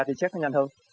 thì xét nó nhanh hơn